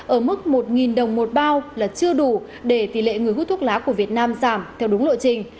ở mức một đồng một bao là chưa đủ để tỷ lệ người hút thuốc lá của việt nam giảm theo đúng lộ trình